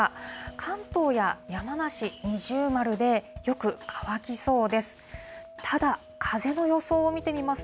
関東や山梨、二重丸で、よく乾きそうです。